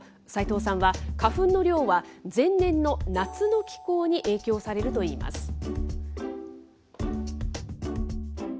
斎藤さんは、花粉の量は前年の夏の気候に影響されるといいます。